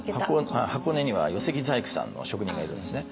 箱根には寄木細工さんの職人がいるんですね。